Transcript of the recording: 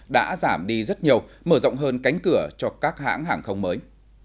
đã giảm đi rất nhiều mở rộng hơn cánh cửa cho các hãng hàng không mới